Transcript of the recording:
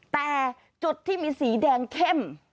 แต่จุดที่มีสีแดงเข้ม